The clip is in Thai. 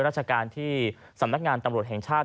ราชการที่สำนักงานตำรวจแห่งชาติ